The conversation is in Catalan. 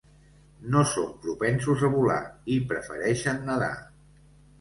No són propensos a volar i prefereixen nedar.